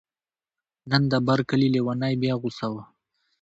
نن د بر کلي لیونی بیا غوصه و.